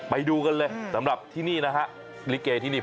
ไปดูกันเลยสำหรับที่นี่นะฮะลิเกที่นี่